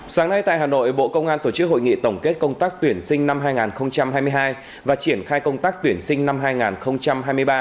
sáng nay tại hà nội bộ công an tổ chức hội nghị tổng kết công tác tuyển sinh năm hai nghìn hai mươi hai và triển khai công tác tuyển sinh năm hai nghìn hai mươi ba